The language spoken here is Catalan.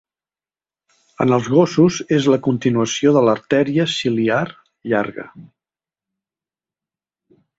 En els gossos, és la continuació de l'artèria ciliar llarga.